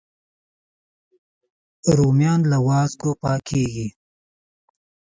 رومیان له وازګو پاکېږي